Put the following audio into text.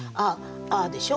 「ア」でしょ